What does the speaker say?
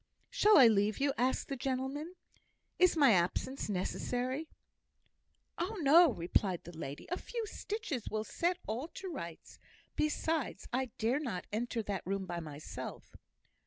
"Shall I leave you?" asked the gentleman. "Is my absence necessary?" "Oh, no!" replied the lady. "A few stitches will set all to rights. Besides, I dare not enter that room by myself."